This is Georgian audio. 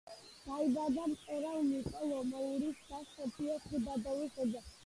დაიბადა მწერალ ნიკო ლომოურის და სოფიო ხუდადოვის ოჯახში.